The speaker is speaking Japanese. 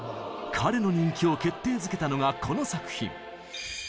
彼の人気を決定づけたのがこの作品。